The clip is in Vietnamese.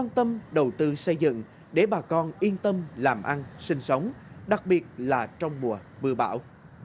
tâm đầu tư xây dựng để bà con yên tâm làm ăn sinh sống đặc biệt là trong mùa mưa bão